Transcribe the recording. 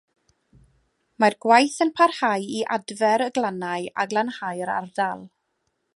Mae'r gwaith yn parhau i adfer y glannau a glanhau'r ardal.